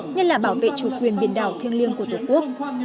nhất là bảo vệ chủ quyền biển đảo thiêng liêng của tổ quốc